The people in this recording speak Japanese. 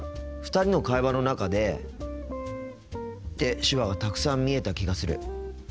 ２人の会話の中でって手話がたくさん見えた気がする。